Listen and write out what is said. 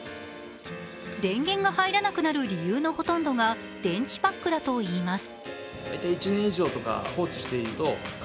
電源が入らなくなる理由のほとんどが電池パックだといいます。